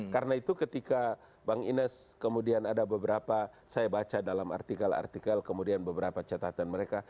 karena itu ketika bang ines kemudian ada beberapa saya baca dalam artikel artikel kemudian beberapa catatan mereka